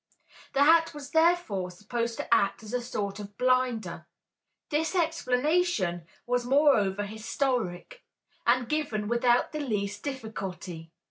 The hat was therefore supposed to act as a sort of blinder. This explanation was moreover historic, and given without the least difficulty.